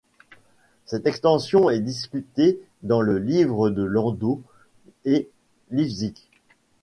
Cette extension est discutée dans le livre de Landau et Lifshitz.